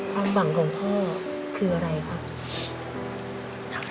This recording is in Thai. ความหวังของพ่อคืออะไรครับ